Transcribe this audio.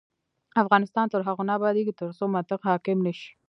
افغانستان تر هغو نه ابادیږي، ترڅو منطق حاکم نشي.